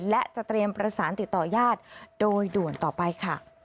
และจะเตรียมประสานติดต่อญาติโดยด่วนต่อไปค่ะ